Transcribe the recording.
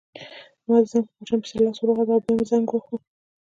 ما د زنګ په بټن پسې لاس وروغځاوه او بیا مې زنګ وواهه.